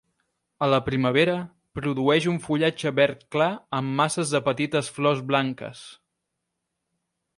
A la primavera, produeix un fullatge verd clar amb masses de petites flors blanques.